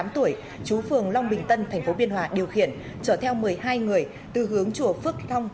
hai mươi tám tuổi chú phường long bình tân tp biên hòa điều khiển trở theo một mươi hai người từ hướng chùa phước thong